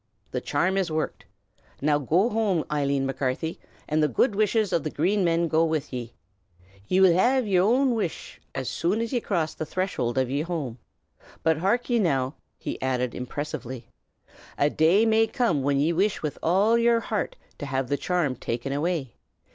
"The charm is worked. Now go home, Eileen Macarthy, and the good wishes of the Green Men go with ye. Ye will have yer own wish fulfilled as soon as ye cross the threshold of yer home. But hark ye now!" he added, impressively. "A day may come when ye will wish with all yer heart to have the charm taken away.